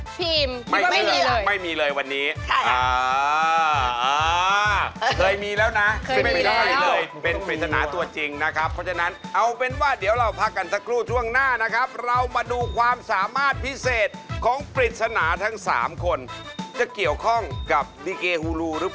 ก็ไม่รู้เหมือนกันว่าเป็นการแสดงอะไรแต่น่าชมแน่นอนครับมาพบกับโชว์ที่สองลาคูดูวอร์ด